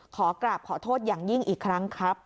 ขอกราบขอโทษอย่างยิ่งอีกครั้งครับ